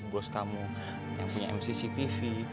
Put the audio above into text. bos kamu yang punya mcc tv